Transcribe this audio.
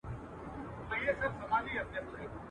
o د هوښيار سړي غبر گ غاښونه وزي.